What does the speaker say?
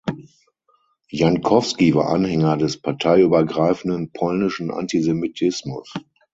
Jankowski war Anhänger des parteiübergreifenden polnischen Antisemitismus.